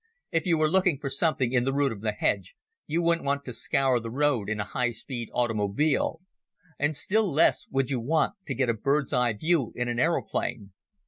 "If you were looking for something in the root of the hedge, you wouldn't want to scour the road in a high speed automobile. And still less would you want to get a bird's eye view in an aeroplane.